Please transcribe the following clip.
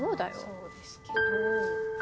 そうですけど。